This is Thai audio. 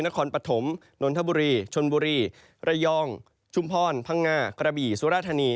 นครปฐมนนทบุรีชนบุรีระยองชุมพรพังงากระบี่สุรธานี